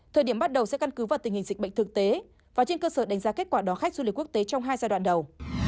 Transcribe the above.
thời điểm bắt đầu sẽ căn cứ vào tình hình dịch bệnh thực tế và trên cơ sở đánh giá kết quả đó khách du lịch quốc tế trong hai giai đoạn đầu